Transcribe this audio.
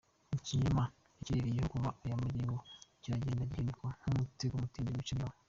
Ikinyoma yaririyeho kuva aya magingo kiragenda gihinduka wa mutego mutindi wica nyirawo.